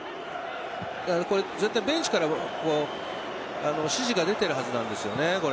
これ絶対、ベンチから指示が出ているはずなんですよねこれ。